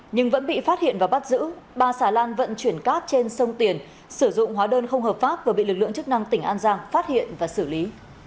nhưng vẫn bị phát hiện và bắt giữ ba xà lan vận chuyển cát trên sông tiền sử dụng hóa đơn không hợp pháp vừa bị lực lượng chức năng tỉnh an giang phát hiện và xử lý